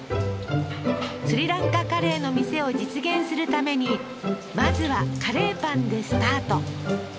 スリランカカレーの店を実現するためにまずはカレーパンでスタート